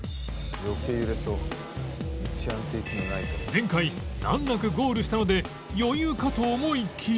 前回難なくゴールしたので余裕かと思いきや